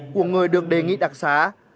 của người được đề nghị đặc sán